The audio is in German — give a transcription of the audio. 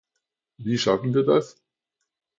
Wie schaffen wir das?